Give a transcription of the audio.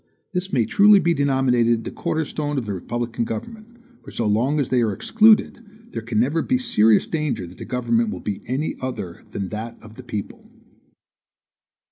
This may truly be denominated the corner stone of republican government; for so long as they are excluded, there can never be serious danger that the government will be any other than that of the people.